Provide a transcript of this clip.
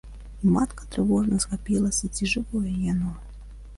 І матка трывожна схапілася, ці жывое яно.